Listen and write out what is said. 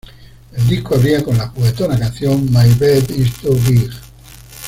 El disco abría con la "juguetona" canción "My Bed Is Too Big".